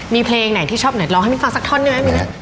มีเพลงไหนที่ชอบหน่อยร้องให้พี่ฟังสักท่อนด้วยไหม